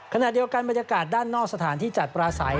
ขณะเดียวกันบรรยากาศด้านนอกสถานที่จัดปลาใส